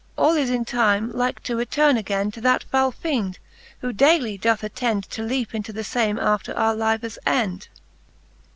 All is in time like to returne againe To that foul feend, who dayly doth attend To leape into the fame after our lives end.